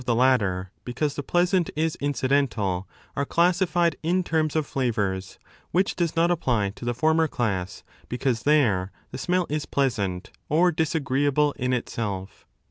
FUNCTION OF SMELL 175 latter, because the pleasant is incidental, are classified in t^rms of flavours, which does not apply to the former class, because there the smell is pleasant or disagreeable in itself.